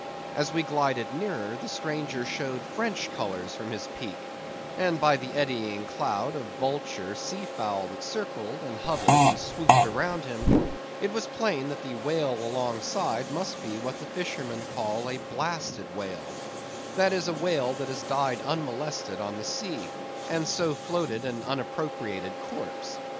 As we glided nearer, the stranger showed French colours from his peak; and by the eddying cloud of vulture sea fowl that circled, and hovered, and swooped around him, it was plain that the whale alongside must be what the fishermen call a blasted whale, that is, a whale that has died unmolested on the sea, and so floated an unappropriated corpse.